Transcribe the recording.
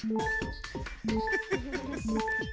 フフフフフ。